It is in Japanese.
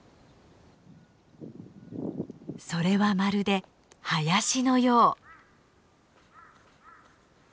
それはまるで林のよう。